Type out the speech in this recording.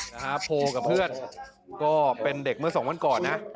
นะฮะโพลกับเพื่อนก็เป็นเด็กเมื่อสองวันก่อนนะ